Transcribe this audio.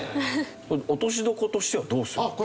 落としどころとしてはどうするんですか？